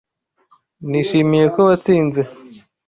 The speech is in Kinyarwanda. Nishimiye ko watsinze.